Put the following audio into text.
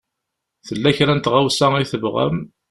Tella kra n tɣawsa i tebɣam?